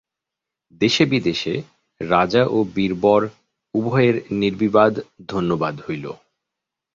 দেশে বিদেশে রাজা ও বীরবর উভয়ের নির্বিবাদ ধন্যবাদ হইল।